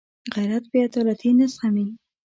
غیرت بېعدالتي نه زغمي